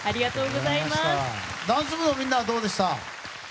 ダンス部のみんなはどうでした？